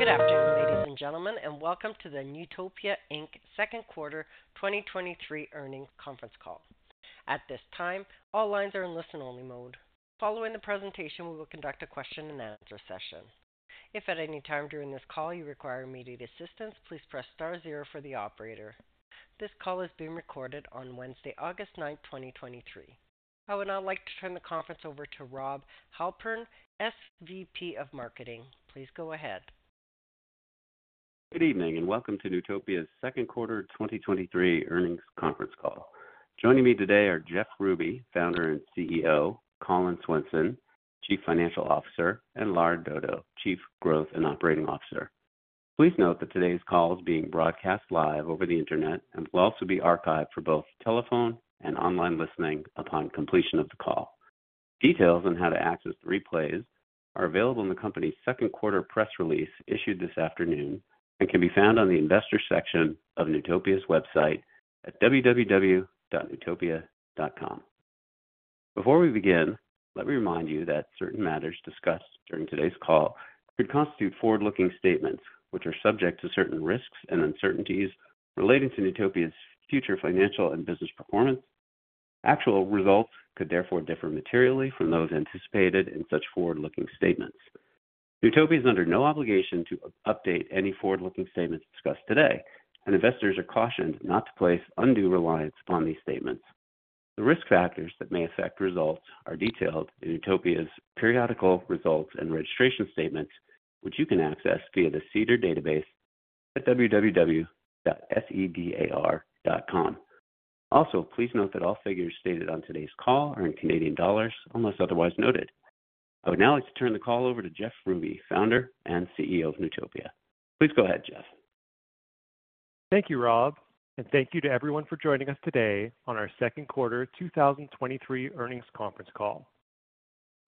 Good afternoon, ladies and gentlemen, and welcome to the Newtopia Inc. Second Quarter 2023 Earnings Conference Call. At this time, all lines are in listen-only mode. Following the presentation, we will conduct a question-and-answer session. If at any time during this call you require immediate assistance, please press star zero for the operator. This call is being recorded on Wednesday, August 9, 2023. I would now like to turn the conference over to Rob Halpern, SVP of Marketing. Please go ahead. Good evening, and welcome to Newtopia's second quarter 2023 earnings conference call. Joining me today are Jeff Ruby, Founder and CEO, Collin Swenson, Chief Financial Officer, and Lara Dodo, Chief Growth and Operating Officer. Please note that today's call is being broadcast live over the Internet and will also be archived for both telephone and online listening upon completion of the call. Details on how to access the replays are available in the company's second quarter press release, issued this afternoon, and can be found on the investor section of Newtopia's website at www.newtopia.com. Before we begin, let me remind you that certain matters discussed during today's call could constitute forward-looking statements, which are subject to certain risks and uncertainties relating to Newtopia's future financial and business performance. Actual results could therefore differ materially from those anticipated in such forward-looking statements. Newtopia is under no obligation to update any forward-looking statements discussed today, and investors are cautioned not to place undue reliance upon these statements. The risk factors that may affect results are detailed in Newtopia's periodical results and registration statements, which you can access via the SEDAR database at www.sedar.com. Please note that all figures stated on today's call are in Canadian dollars, unless otherwise noted. I would now like to turn the call over to Jeff Ruby, founder and CEO of Newtopia. Please go ahead, Jeff. Thank you, Rob, and thank you to everyone for joining us today on our second quarter 2023 earnings conference call.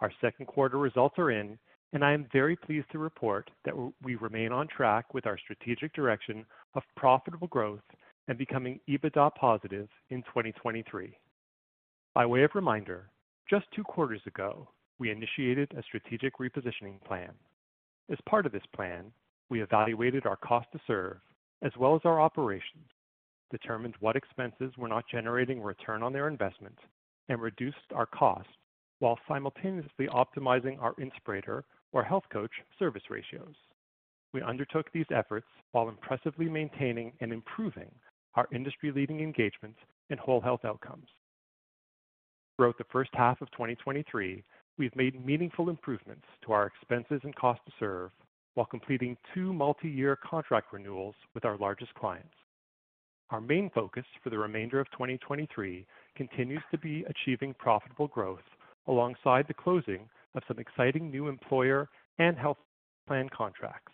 Our second quarter results are in, and I am very pleased to report that we remain on track with our strategic direction of profitable growth and becoming EBITDA positive in 2023. By way of reminder, just 2 quarters ago, we initiated a strategic repositioning plan. As part of this plan, we evaluated our cost to serve as well as our operations, determined what expenses were not generating return on their investment, and reduced our costs while simultaneously optimizing our Inspirator or health coach service ratios. We undertook these efforts while impressively maintaining and improving our industry-leading engagements and whole health outcomes. Throughout the first half of 2023, we've made meaningful improvements to our expenses and cost to serve while completing 2 multi-year contract renewals with our largest clients. Our main focus for the remainder of 2023 continues to be achieving profitable growth alongside the closing of some exciting new employer and health plan contracts.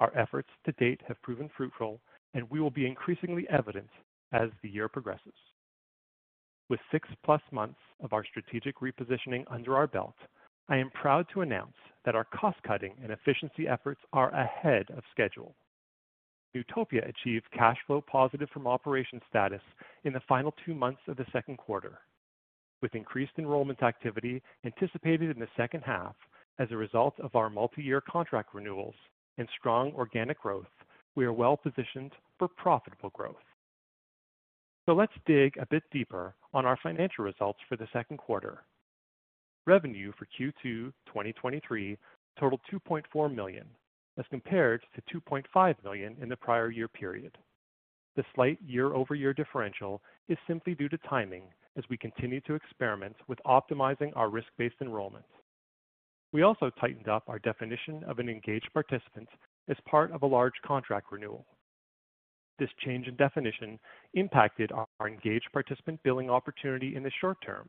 Our efforts to date have proven fruitful, we will be increasingly evident as the year progresses. With 6+ months of our strategic repositioning under our belt, I am proud to announce that our cost-cutting and efficiency efforts are ahead of schedule. Newtopia achieved cash flow positive from operation status in the final 2 months of the second quarter. With increased enrollment activity anticipated in the second half as a result of our multi-year contract renewals and strong organic growth, we are well positioned for profitable growth. Let's dig a bit deeper on our financial results for the second quarter. Revenue for Q2 2023 totaled $2.4 million, as compared to $2.5 million in the prior year period. The slight year-over-year differential is simply due to timing as we continue to experiment with optimizing our risk-based enrollment. We also tightened up our definition of an engaged participant as part of a large contract renewal. This change in definition impacted our engaged participant billing opportunity in the short term,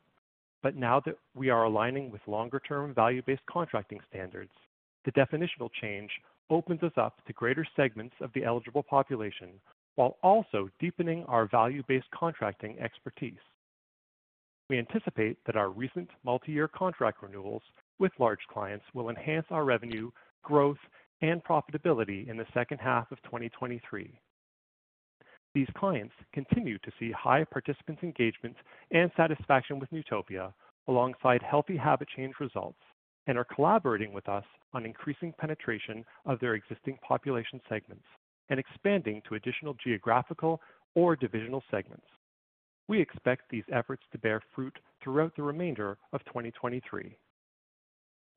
but now that we are aligning with longer-term, value-based contracting standards, the definitional change opens us up to greater segments of the eligible population, while also deepening our value-based contracting expertise. We anticipate that our recent multi-year contract renewals with large clients will enhance our revenue, growth, and profitability in the second half of 2023. These clients continue to see high participant engagement and satisfaction with Newtopia, alongside healthy habit change results, and are collaborating with us on increasing penetration of their existing population segments and expanding to additional geographical or divisional segments. We expect these efforts to bear fruit throughout the remainder of 2023.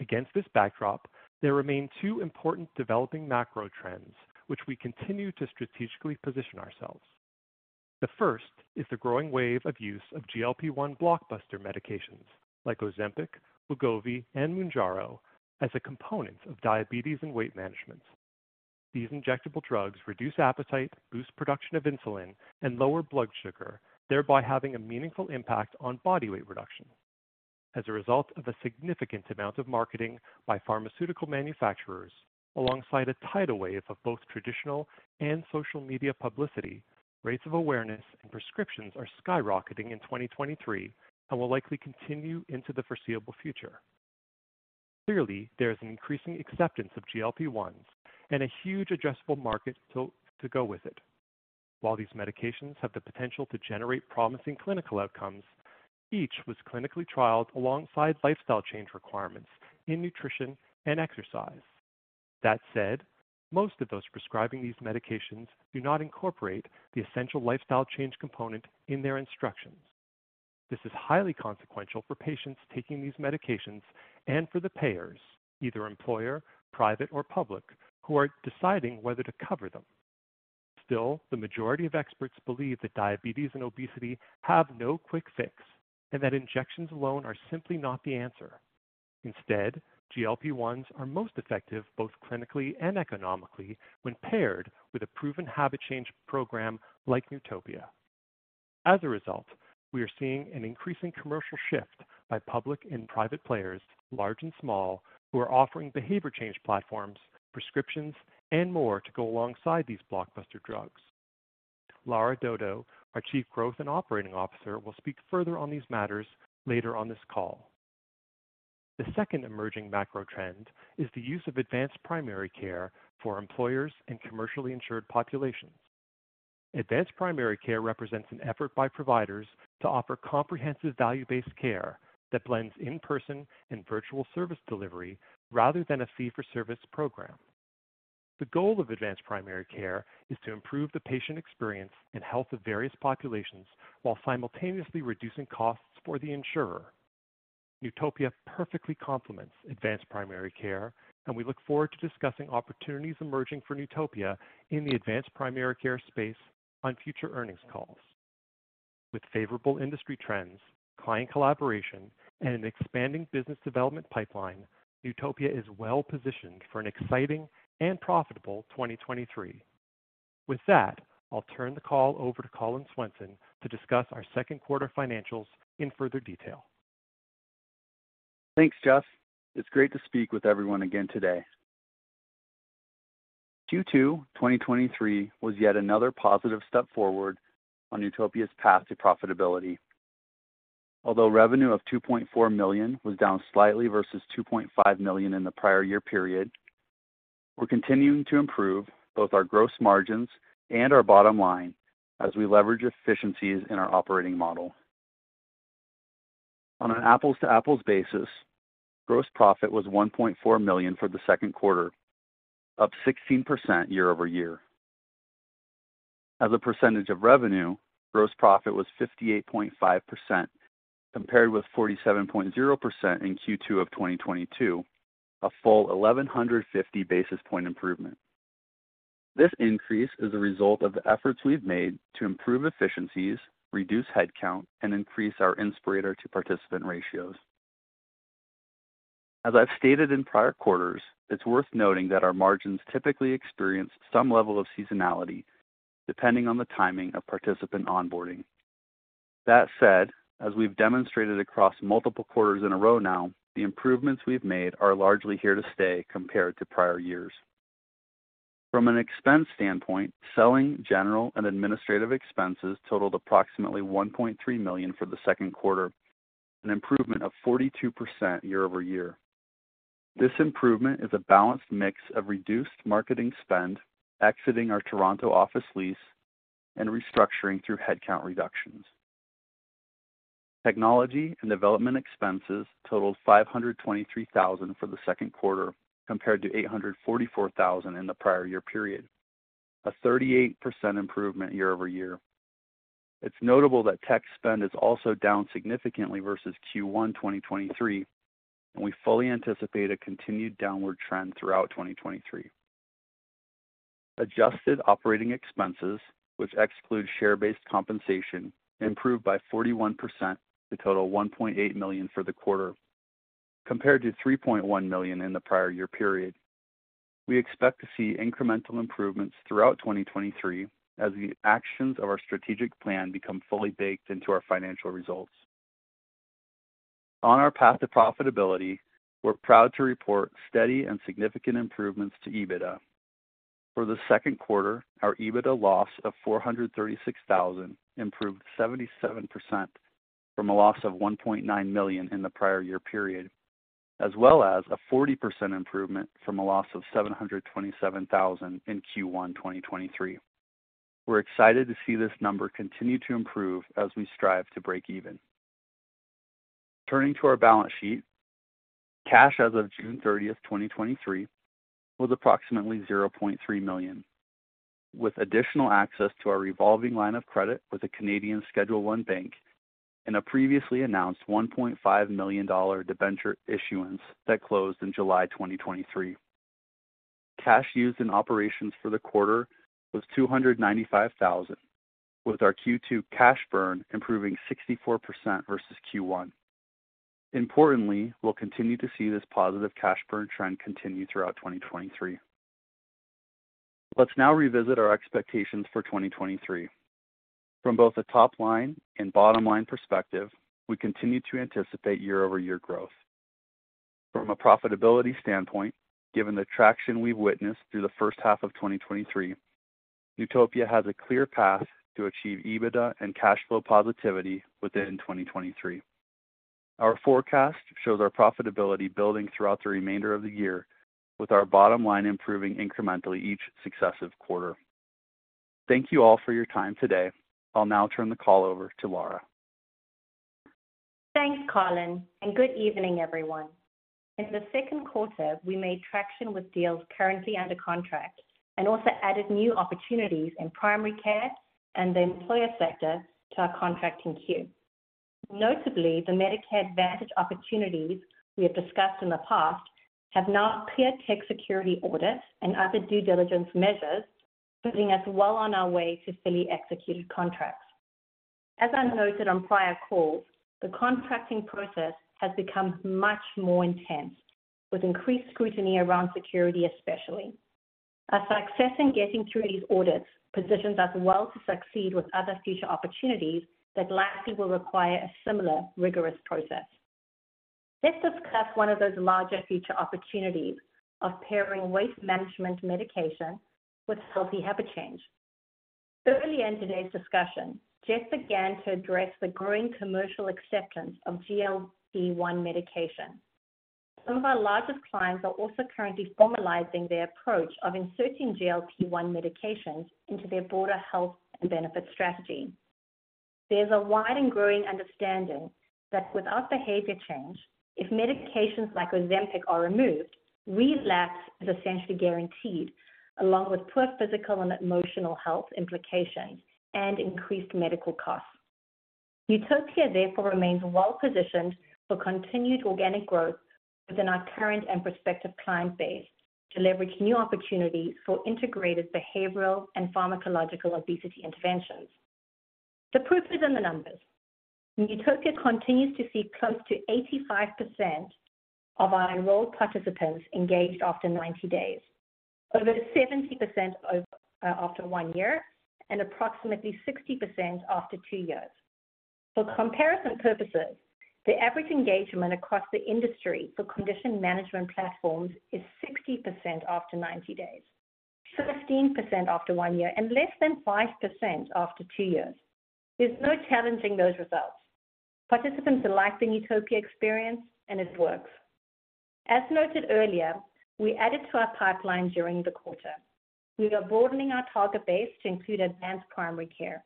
Against this backdrop, there remain two important developing macro trends, which we continue to strategically position ourselves. The first is the growing wave of use of GLP-1 blockbuster medications like Ozempic, Wegovy, and Mounjaro as a component of diabetes and weight management. These injectable drugs reduce appetite, boost production of insulin, and lower blood sugar, thereby having a meaningful impact on body weight reduction. As a result of a significant amount of marketing by pharmaceutical manufacturers, alongside a tidal wave of both traditional and social media publicity, rates of awareness and prescriptions are skyrocketing in 2023 and will likely continue into the foreseeable future. Clearly, there is an increasing acceptance of GLP-1s and a huge addressable market to go with it. While these medications have the potential to generate promising clinical outcomes, each was clinically trialed alongside lifestyle change requirements in nutrition and exercise. That said, most of those prescribing these medications do not incorporate the essential lifestyle change component in their instructions. This is highly consequential for patients taking these medications and for the payers, either employer, private, or public, who are deciding whether to cover them. Still, the majority of experts believe that diabetes and obesity have no quick fix, and that injections alone are simply not the answer. Instead, GLP-1s are most effective, both clinically and economically, when paired with a proven habit change program like Newtopia. As a result, we are seeing an increasing commercial shift by public and private players, large and small, who are offering behavior change platforms, prescriptions, and more to go alongside these blockbuster drugs. Lara Dodo, our Chief Growth and Operating Officer, will speak further on these matters later on this call. The second emerging macro trend is the use of advanced primary care for employers and commercially insured populations. Advanced primary care represents an effort by providers to offer comprehensive value-based care that blends in-person and virtual service delivery, rather than a fee-for-service program. The goal of advanced primary care is to improve the patient experience and health of various populations, while simultaneously reducing costs for the insurer. Newtopia perfectly complements advanced primary care, and we look forward to discussing opportunities emerging for Newtopia in the advanced primary care space on future earnings calls. With favorable industry trends, client collaboration, and an expanding business development pipeline, Newtopia is well positioned for an exciting and profitable 2023. With that, I'll turn the call over to Collin Swenson to discuss our second quarter financials in further detail. Thanks, Jeff. It's great to speak with everyone again today. Q2 2023 was yet another positive step forward on Newtopia's path to profitability. Revenue of $2.4 million was down slightly versus $2.5 million in the prior year period, we're continuing to improve both our gross margins and our bottom line as we leverage efficiencies in our operating model. On an apples-to-apples basis, gross profit was $1.4 million for the second quarter, up 16% year-over-year. As a percentage of revenue, gross profit was 58.5%, compared with 47.0% in Q2 2022, a full 1,150 basis point improvement. This increase is a result of the efforts we've made to improve efficiencies, reduce headcount, and increase our Inspirator-to-participant ratios. As I've stated in prior quarters, it's worth noting that our margins typically experience some level of seasonality, depending on the timing of participant onboarding. That said, as we've demonstrated across multiple quarters in a row now, the improvements we've made are largely here to stay compared to prior years. From an expense standpoint, selling, general, and administrative expenses totaled approximately 1.3 million for the second quarter, an improvement of 42% year-over-year. This improvement is a balanced mix of reduced marketing spend, exiting our Toronto office lease, and restructuring through headcount reductions. Technology and development expenses totaled 523,000 for the second quarter, compared to 844,000 in the prior year period, a 38% improvement year-over-year. It's notable that tech spend is also down significantly versus Q1 2023, and we fully anticipate a continued downward trend throughout 2023. Adjusted operating expenses, which exclude share-based compensation, improved by 41% to total $1.8 million for the quarter, compared to $3.1 million in the prior year period. We expect to see incremental improvements throughout 2023 as the actions of our strategic plan become fully baked into our financial results. On our path to profitability, we're proud to report steady and significant improvements to EBITDA. For the second quarter, our EBITDA loss of $436,000 improved 77% from a loss of $1.9 million in the prior year period, as well as a 40% improvement from a loss of $727,000 in Q1 2023. We're excited to see this number continue to improve as we strive to break even. Turning to our balance sheet, cash as of June thirtieth, 2023, was approximately $0.3 million, with additional access to our revolving line of credit with a Canadian Schedule I bank and a previously announced $1.5 million debenture issuance that closed in July 2023. Cash used in operations for the quarter was $295,000, with our Q2 cash burn improving 64% versus Q1. Importantly, we'll continue to see this positive cash burn trend continue throughout 2023. Let's now revisit our expectations for 2023. From both a top-line and bottom-line perspective, we continue to anticipate year-over-year growth. From a profitability standpoint, given the traction we've witnessed through the first half of 2023, Newtopia has a clear path to achieve EBITDA and cash flow positivity within 2023. Our forecast shows our profitability building throughout the remainder of the year, with our bottom line improving incrementally each successive quarter. Thank you all for your time today. I'll now turn the call over to Lara. Thanks, Collin, and good evening, everyone. In the second quarter, we made traction with deals currently under contract and also added new opportunities in primary care and the employer sector to our contracting queue. Notably, the Medicare Advantage opportunities we have discussed in the past have now cleared tech security audits and other due diligence measures, putting us well on our way to fully executed contracts. As I noted on prior calls, the contracting process has become much more intense, with increased scrutiny around security, especially. Our success in getting through these audits positions us well to succeed with other future opportunities that likely will require a similar rigorous process. Let's discuss one of those larger future opportunities of pairing weight management medication with healthy habit change. Early in today's discussion, Jeff began to address the growing commercial acceptance of GLP-1 medication. Some of our largest clients are also currently formalizing their approach of inserting GLP-1 medications into their broader health and benefit strategy. There's a wide and growing understanding that without behavior change, if medications like Ozempic are removed, relapse is essentially guaranteed, along with poor physical and emotional health implications and increased medical costs. Newtopia therefore remains well positioned for continued organic growth within our current and prospective client base to leverage new opportunities for integrated behavioral and pharmacological obesity interventions. The proof is in the numbers. Newtopia continues to see close to 85% of our enrolled participants engaged after 90 days, over 70% after 1 year, and approximately 60% after 2 years. For comparison purposes, the average engagement across the industry for condition management platforms is 60% after 90 days, 15% after 1 year, and less than 5% after 2 years. There's no challenging those results. Participants like the Newtopia experience, and it works. As noted earlier, we added to our pipeline during the quarter. We are broadening our target base to include advanced primary care.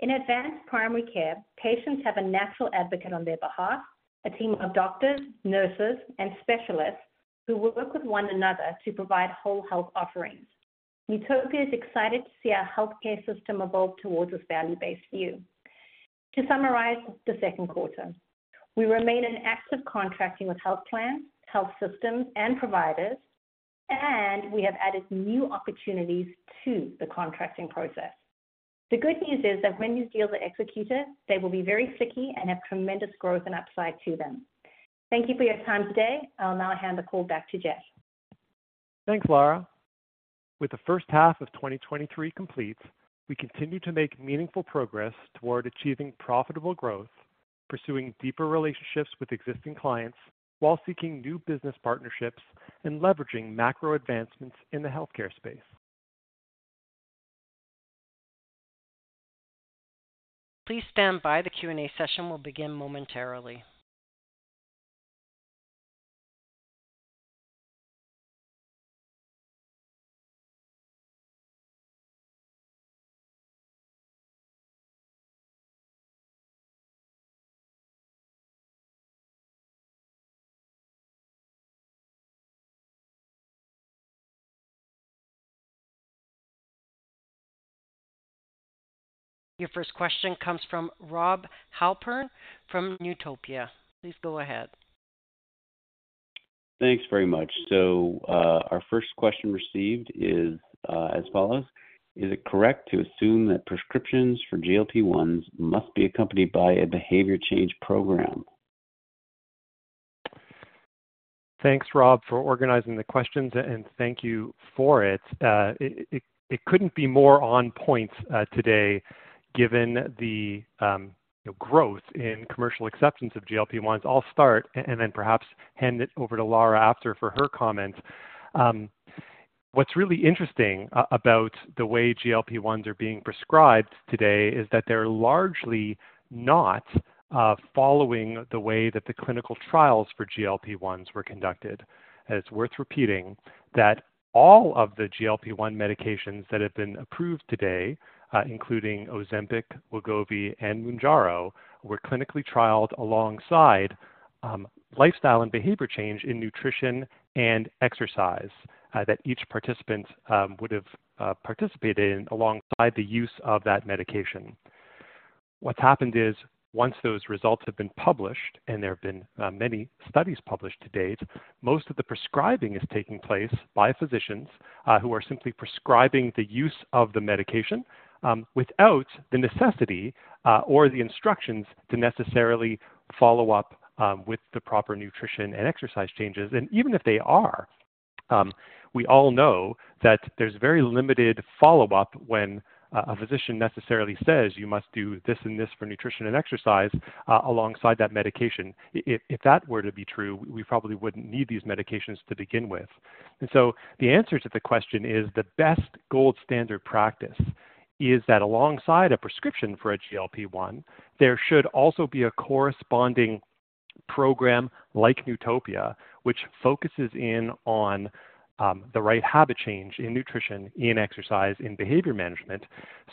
In advanced primary care, patients have a natural advocate on their behalf, a team of doctors, nurses, and specialists who will work with one another to provide whole health offerings. Newtopia is excited to see our healthcare system evolve towards this value-based view. To summarize the second quarter, we remain in active contracting with health plans, health systems, and providers, and we have added new opportunities to the contracting process. The good news is that when these deals are executed, they will be very sticky and have tremendous growth and upside to them. Thank you for your time today. I'll now hand the call back to Jeff. Thanks, Lara. With the first half of 2023 complete, we continue to make meaningful progress toward achieving profitable growth, pursuing deeper relationships with existing clients, while seeking new business partnerships and leveraging macro advancements in the healthcare space. Please stand by. The Q&A session will begin momentarily. Your first question comes from Rob Halpern from Newtopia. Please go ahead. Thanks very much. Our first question received is as follows: Is it correct to assume that prescriptions for GLP-1s must be accompanied by a behavior change program? Thanks, Rob, for organizing the questions. Thank you for it. It, it, it couldn't be more on point today, given the growth in commercial acceptance of GLP-1s. I'll start and then perhaps hand it over to Lara after for her comments. What's really interesting about the way GLP-1s are being prescribed today is that they're largely not following the way that the clinical trials for GLP-1s were conducted. It's worth repeating that all of the GLP-1 medications that have been approved to date, including Ozempic, Wegovy, and Mounjaro, were clinically trialed alongside lifestyle and behavior change in nutrition and exercise that each participant would have participated in alongside the use of that medication. What's happened is, once those results have been published, there have been many studies published to date, most of the prescribing is taking place by physicians who are simply prescribing the use of the medication without the necessity or the instructions to necessarily follow up with the proper nutrition and exercise changes. Even if they are, we all know that there's very limited follow-up when a physician necessarily says, "You must do this and this for nutrition and exercise alongside that medication." If, if, if that were to be true, we probably wouldn't need these medications to begin with. The answer to the question is, the best gold standard practice is that alongside a prescription for a GLP-1, there should also be a corresponding-... program like Newtopia, which focuses in on the right habit change in nutrition, in exercise, in behavior management,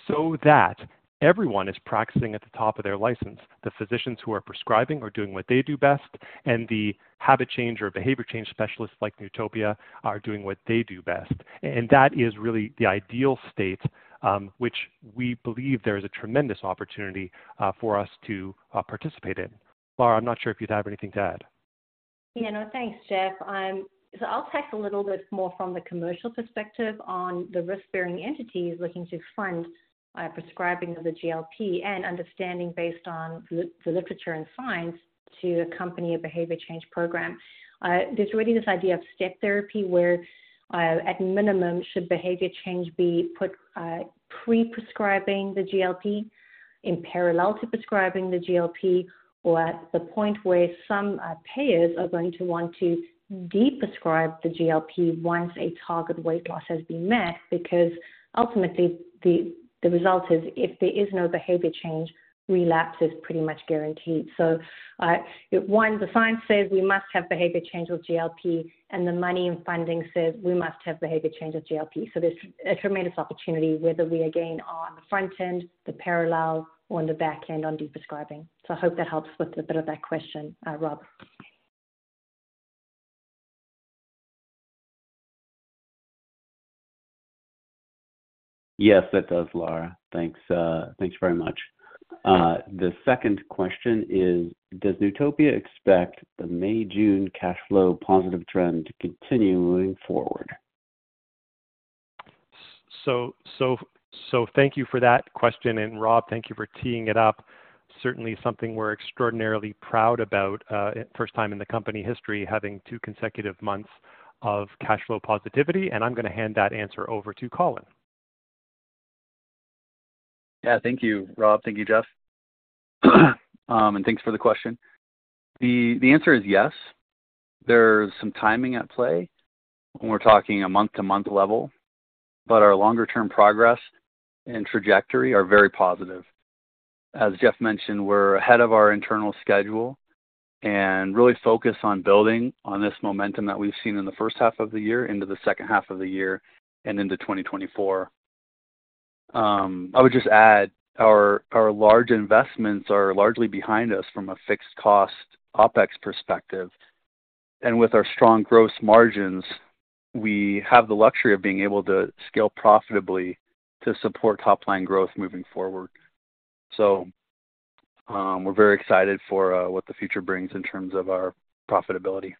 so that everyone is practicing at the top of their license. The physicians who are prescribing are doing what they do best, and the habit change or behavior change specialists like Newtopia are doing what they do best. That is really the ideal state, which we believe there is a tremendous opportunity for us to participate in. Lara, I'm not sure if you'd have anything to add. Yeah, no, thanks, Jeff. I'll take a little bit more from the commercial perspective on the risk-bearing entities looking to fund prescribing of the GLP and understanding based on the, the literature and science to accompany a behavior change program. There's really this idea of step therapy, where, at minimum, should behavior change be put, pre-prescribing the GLP, in parallel to prescribing the GLP, or at the point where some, payers are going to want to de-prescribe the GLP once a target weight loss has been met. Ultimately, the, the result is if there is no behavior change, relapse is pretty much guaranteed. One, the science says we must have behavior change with GLP, and the money and funding says we must have behavior change with GLP. There's a tremendous opportunity, whether we, again, are on the front end, the parallel, or on the back end on de-prescribing. I hope that helps with a bit of that question, Rob. Yes, it does, Lara. Thanks, thanks very much. The second question is, does Newtopia expect the May-June cash flow positive trend to continue moving forward? Thank you for that question, and Rob, thank you for teeing it up. Certainly something we're extraordinarily proud about, first time in the company history, having 2 consecutive months of cash flow positivity, and I'm gonna hand that answer over to Collin. Yeah, thank you, Rob. Thank you, Jeff. Thanks for the question. The answer is yes. There's some timing at play when we're talking a month-to-month level, but our longer-term progress and trajectory are very positive. As Jeff mentioned, we're ahead of our internal schedule and really focused on building on this momentum that we've seen in the first half of the year into the second half of the year and into 2024. I would just add, our large investments are largely behind us from a fixed cost OpEx perspective, and with our strong gross margins, we have the luxury of being able to scale profitably to support top-line growth moving forward. We're very excited for what the future brings in terms of our profitability.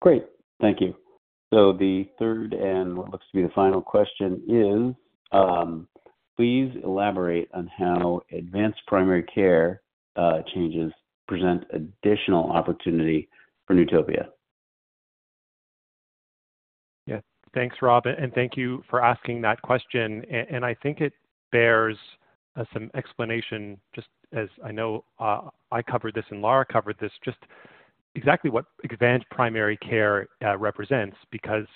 Great. Thank you. The third and what looks to be the final question is, please elaborate on how advanced primary care changes present additional opportunity for Newtopia. Yeah. Thanks, Rob. Thank you for asking that question. I think it bears some explanation, just as I know I covered this and Lara covered this, just exactly what advanced primary care represents, because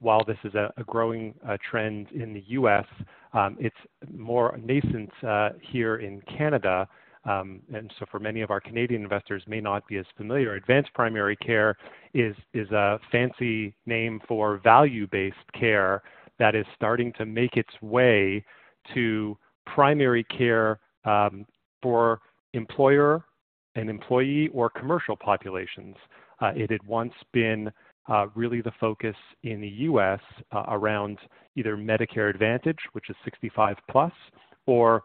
while this is a growing trend in the US, it's more nascent here in Canada. For many of our Canadian investors, may not be as familiar. Advanced primary care is a fancy name for value-based care that is starting to make its way to primary care for employer and employee or commercial populations. It had once been really the focus in the US around either Medicare Advantage, which is 65 plus, or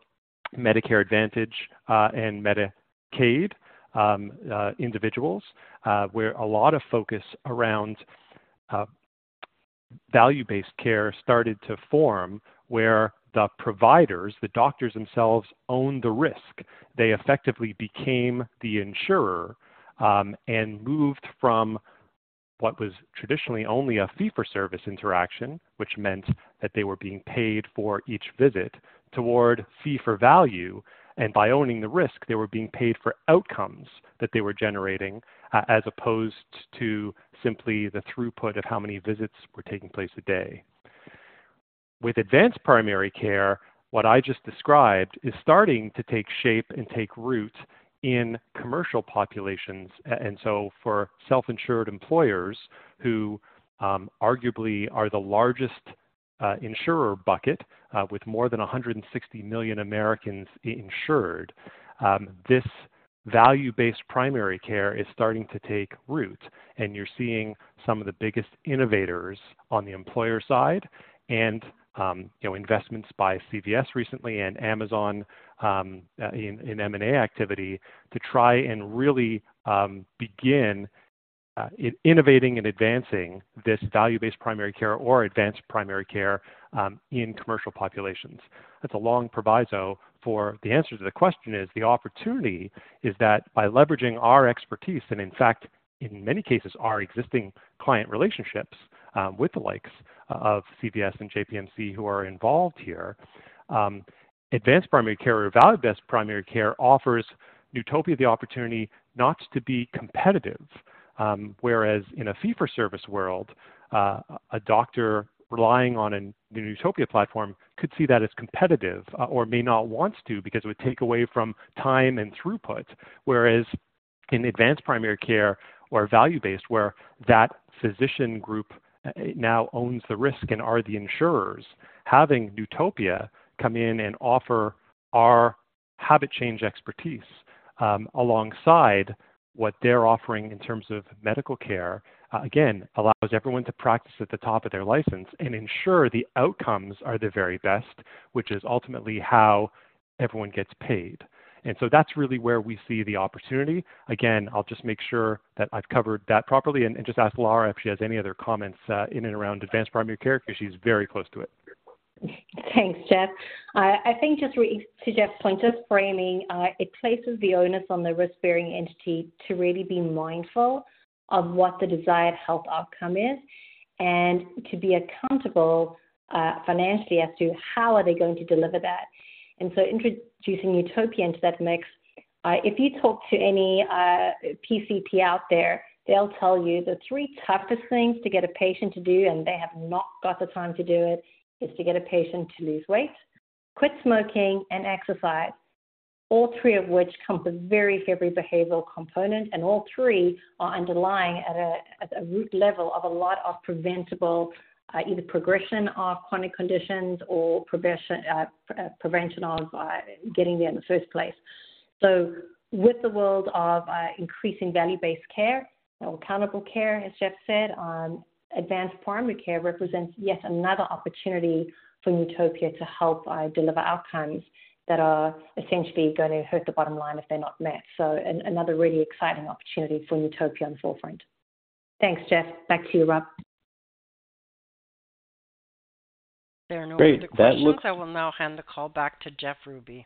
Medicare Advantage and Medicaid individuals, where a lot of focus around value-based care started to form, where the providers, the doctors themselves, owned the risk. They effectively became the insurer, and moved from what was traditionally only a fee-for-service interaction, which meant that they were being paid for each visit, toward fee for value. By owning the risk, they were being paid for outcomes that they were generating, as opposed to simply the throughput of how many visits were taking place a day. With advanced primary care, what I just described is starting to take shape and take root in commercial populations. For self-insured employers who arguably are the largest insurer bucket, with more than 160 million Americans insured, this value-based primary care is starting to take root, and you're seeing some of the biggest innovators on the employer side and, you know, investments by CVS recently and Amazon, in M&A activity, to try and really begin in innovating and advancing this value-based primary care or advanced primary care, in commercial populations. That's a long proviso for the answer to the question is, the opportunity is that by leveraging our expertise, and in fact, in many cases, our existing client relationships, with the likes of CVS and JPMC who are involved here, advanced primary care or value-based primary care offers Newtopia the opportunity not to be competitive. Whereas in a fee-for-service world, a doctor relying on a Newtopia platform could see that as competitive or may not want to, because it would take away from time and throughput. Whereas in advanced primary care or value-based, where that physician group now owns the risk and are the insurers, having Newtopia come in and offer our habit change expertise, alongside what they're offering in terms of medical care, again, allows everyone to practice at the top of their license and ensure the outcomes are the very best, which is ultimately how everyone gets paid. That's really where we see the opportunity. Again, I'll just make sure that I've covered that properly, and just ask Lara if she has any other comments, in and around advanced primary care, because she's very close to it. Thanks, Jeff. I, I think just to Jeff's point, just framing, it places the onus on the risk-bearing entity to really be mindful of what the desired health outcome is and to be accountable, financially as to how are they going to deliver that. Introducing Newtopia into that mix, if you talk to any PCP out there, they'll tell you the three toughest things to get a patient to do, and they have not got the time to do it, is to get a patient to lose weight, quit smoking, and exercise. All three of which come with a very heavy behavioral component, and all three are underlying at a root level of a lot of preventable, either progression of chronic conditions or progression, prevention of getting there in the first place. With the world of increasing value-based care or accountable care, as Jeff said, advanced primary care represents yet another opportunity for Newtopia to help deliver outcomes that are essentially going to hurt the bottom line if they're not met. Another really exciting opportunity for Newtopia on the forefront. Thanks, Jeff. Back to you, Rob. There are no other questions. I will now hand the call back to Jeff Ruby.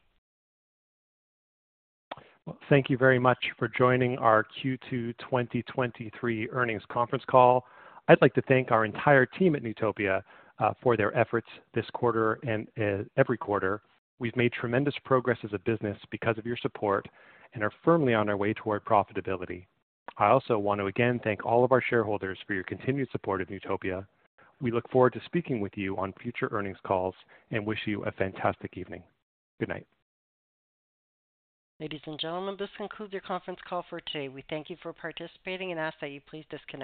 Well, thank you very much for joining our Q2 2023 earnings conference call. I'd like to thank our entire team at Newtopia for their efforts this quarter and every quarter. We've made tremendous progress as a business because of your support and are firmly on our way toward profitability. I also want to again, thank all of our shareholders for your continued support of Newtopia. We look forward to speaking with you on future earnings calls and wish you a fantastic evening. Good night. Ladies and gentlemen, this concludes your conference call for today. We thank you for participating and ask that you please disconnect.